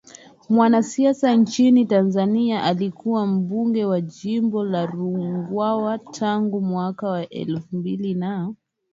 mwanasiasa nchini Tanzania Alikuwa mbunge wa jimbo la Ruangwa tangu mwaka elfu mbili na